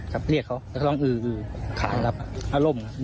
ครับเรียกเขาแล้วเขาต้องอืออือขานรับอารมณ์